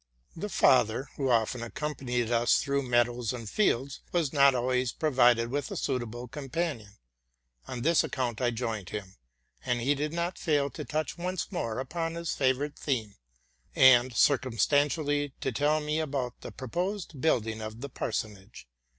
Her father, who often accompanied us through meadows and fields, was not always provided with a suitable companion. On his account I joined him ; and he did not fail to touch once more upon his favorite theme, and circumstantially to tell me about the proposed building of the parsonage.